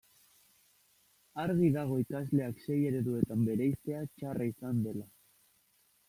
Argi dago ikasleak sei ereduetan bereiztea txarra izan dela.